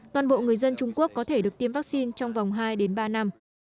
toàn bộ người dân trung quốc có thể được tiêm vaccine trong vòng hai đến ba năm